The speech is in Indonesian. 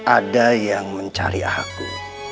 ada yang mencari aku